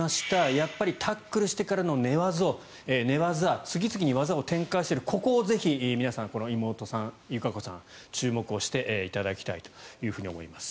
やっぱりタックルしてからの寝技次々技を展開しているここをぜひ皆さん妹さん、友香子さん注目していただきたいと思います。